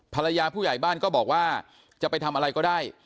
ภรรยาผู้ใหญ่บ้านก็บอกว่าจะไปทำอะไรก็ได้